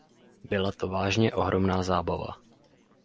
Byla to vážně ohromná zábava.